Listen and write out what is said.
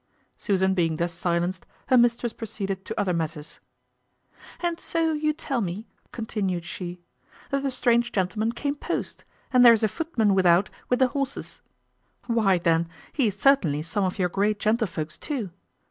Susan being thus silenced, her mistress proceeded to other matters. "And so you tell me," continued she, "that the strange gentleman came post, and there is a footman without with the horses; why, then, he is certainly some of your great gentlefolks too.